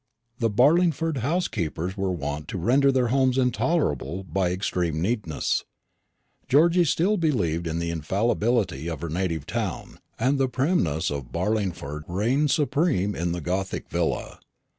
The Barlingford housekeepers were wont to render their homes intolerable by extreme neatness. Georgy still believed in the infallibility of her native town, and the primness of Barlingford reigned supreme in the gothic villa.